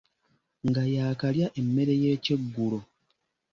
Nga yaakalya emmere y'ekyeggulo.